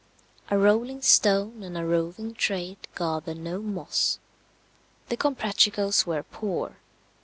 A rolling stone and a roving trade gather no moss. The Comprachicos were poor.